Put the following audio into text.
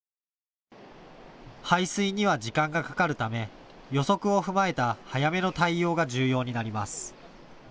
排水には時間がかかるため予測を踏まえた早めの対応が重要になります。